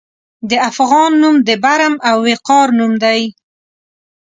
د افغان نوم د برم او وقار نوم دی.